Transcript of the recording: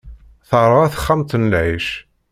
Terɣa texxamt n lɛic.